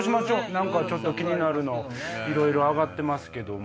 ちょっと気になるのいろいろ挙がってますけども。